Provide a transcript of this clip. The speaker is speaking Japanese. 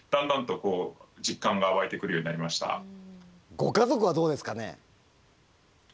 ご家族はどうですかね？